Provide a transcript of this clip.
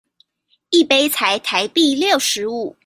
一杯才台幣六十五